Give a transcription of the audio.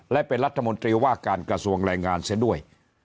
และเป็นรัฐมนตรีว่าการกระทรวงแรงงานเสียด้วย